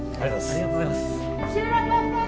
ありがとうございます！